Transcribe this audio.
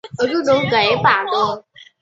笋兰为兰科笋兰属下的一个种。